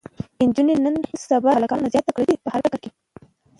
انجونې نن سبا د هلکانو نه زياته تکړه دي په هر ډګر کې